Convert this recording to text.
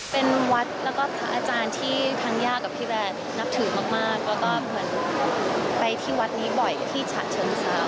เป็นวัดแล้วก็พระอาจารย์ที่ทางย่ากับพี่แบรนด์นับถือมากแล้วก็เหมือนไปที่วัดนี้บ่อยที่ฉะเชิงเซา